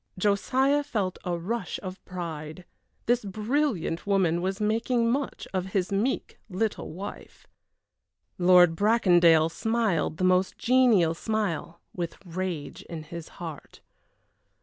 Josiah felt a rush of pride. This brilliant woman was making much of his meek little wife. Lord Bracondale smiled the most genial smile, with rage in his heart.